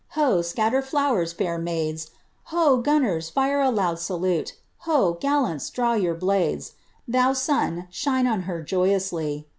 — ^ho! scatter flowers, ikir maids! lo! gunners, fire a loud salute! — ho! gallants, draw your blades 1 Ikoo son, shine on her joyously